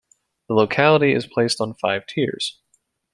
The locality is placed on five tiers.